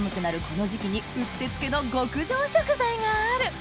この時期にうってつけの極上食材がある！